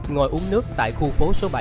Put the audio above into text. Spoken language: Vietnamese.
ngồi uống nước tại khu phố số bảy